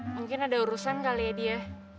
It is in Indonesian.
mungkin ada urusan kali ya dia